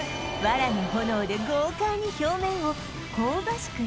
藁の炎で豪快に表面を香ばしく